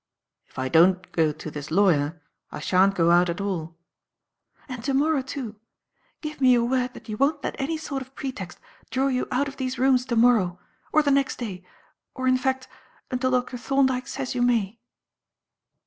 "If I don't go to this lawyer, I shan't go out at all." "And to morrow, too. Give me your word that you won't let any sort of pretext draw you out of these rooms to morrow, or the next day, or, in fact, until Dr. Thorndyke says you may."